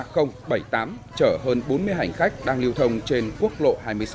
chở hơn bốn mươi hành khách đang liều thông trên quốc lộ hai mươi sáu